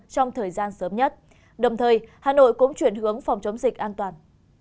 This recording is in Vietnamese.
trong thời gian sớm nhất đồng thời hà nội cũng chuyển hướng phòng chống dịch an toàn